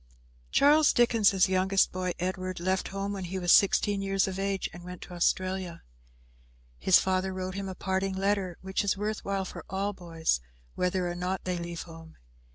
Charles Dickens' youngest boy, Edward, left home when he was sixteen years of age and went to Australia. His father wrote him a parting letter, which is worth while for all boys, whether or no they leave home.